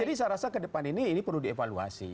jadi saya rasa ke depan ini perlu dievaluasi